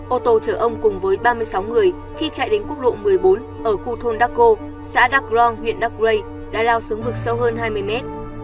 ô tô chở ông cùng với ba mươi sáu người khi chạy đến quốc lộ một mươi bốn ở khu thôn darko xã dark long huyện dark gray đã lao xuống vực sâu hơn hai mươi mét